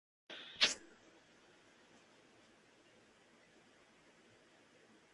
Se conserva la distinción puramente por razones etimológicas.